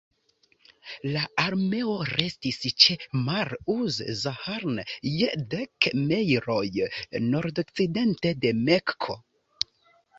La armeo restis ĉe Marr-uz-Zahran, je dek mejloj nordokcidente de Mekko.